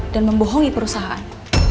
dan membohongi perusahaan